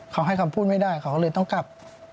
เขาให้คำพูดไม่ได้เขาเลยต้องกลับ